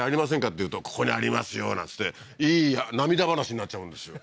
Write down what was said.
って言うと「ここにありますよ」なんつっていい涙話になっちゃうんですよ